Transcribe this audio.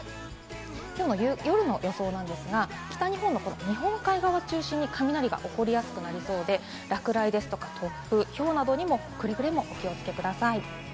きょうの夜の予想ですが、北日本、日本海側を中心に雷が起こりやすくなりそうで、落雷、突風、ひょうなどに、くれぐれもお気をつけください。